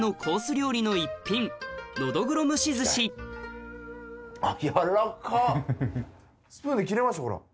料理の一品スプーンで切れましたほら。